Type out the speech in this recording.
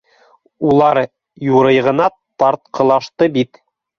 - Улар юрый ғына тартҡылашты бит.